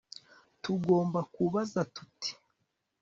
tugomba kubaza tuti